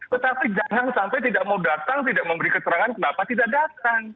tetapi jangan sampai tidak mau datang tidak memberi keterangan kenapa tidak datang